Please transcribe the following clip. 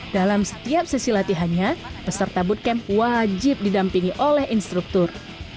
dalam setiap sesi latihannya peserta bootcamp wajib didampingi oleh instruktur